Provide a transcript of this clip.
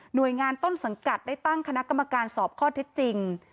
โดยงานต้นสังกัดได้ตั้งคณะกรรมการสอบข้อเท็จจริง